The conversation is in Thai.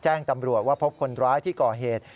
แจ้งตำรวจว่าพบคนร้ายที่ก่อเหตุ